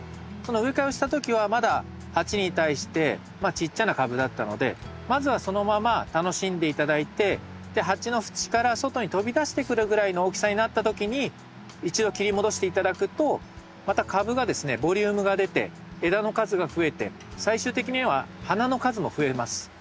植え替えをした時はまだ鉢に対してまあちっちゃな株だったのでまずはそのまま楽しんで頂いて鉢の縁から外に飛び出してくるぐらいの大きさになった時に一度切り戻して頂くとまた株がですねボリュームが出て枝の数が増えて最終的には花の数も増えます。